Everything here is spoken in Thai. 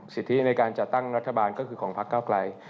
สิทธิในการจัดตั้งรัฐบาลก็คือของพักเก้าไกล